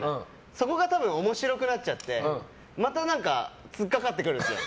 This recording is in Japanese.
そこが多分面白くなっちゃってまた突っかかってくるんですよ。